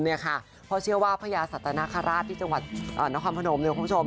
เพราะเชื่อว่าพระยาสัตว์นาคาราชที่จังหวัดนครพนม